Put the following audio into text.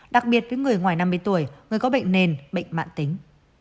đặc biệt với người ngoài năm mươi tuổi người có bệnh nền bệnh mạng tính